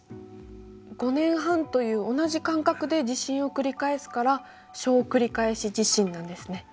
５年半という同じ間隔で地震を繰り返すから小繰り返し地震なんですね。